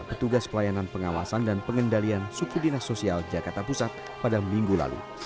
petugas pelayanan pengawasan dan pengendalian suku dinas sosial jakarta pusat pada minggu lalu